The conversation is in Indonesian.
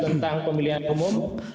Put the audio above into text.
tentang pemilihan umum